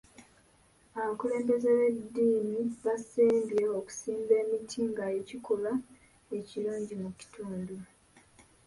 Abakulembeze b'edddiini baasembye okusimba emiti nga ekikolwa ekirungi mu kitundu.